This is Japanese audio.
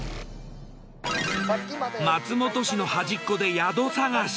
松本市の端っこで宿探し。